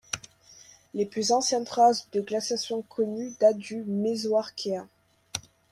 Les plus anciennes traces de glaciation connues datent du Mésoarchéen.